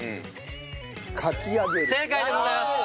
正解でございます。